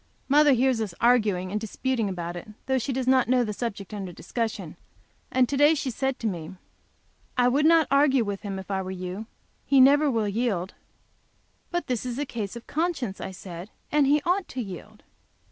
Mother hears us arguing and disputing about it, though she does not know the subject under discussion, and to day she said to me: "I would not argue with him, if I were you. He never will yield." "But it is a case of conscience," I said, "and he ought to yield."